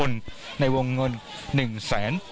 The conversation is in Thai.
และมีความหวาดกลัวออกมา